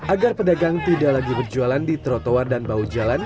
agar pedagang tidak lagi berjualan di trotoar dan bahu jalan